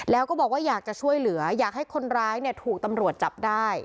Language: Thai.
แล้วก็บอกว่าอยากจะช่วยเหลืออยากให้คนร้ายเนี่ยถูกตำรวจจับได้